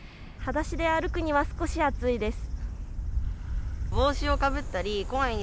裸足で歩くには少し熱いです。